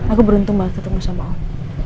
aku beruntung banget ketemu sama om